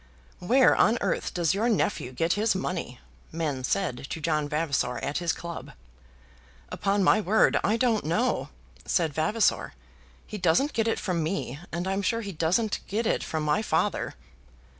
"Where on earth does your nephew get his money?" men said to John Vavasor at his club. "Upon my word I don't know," said Vavasor. "He doesn't get it from me, and I'm sure he doesn't get it from my father."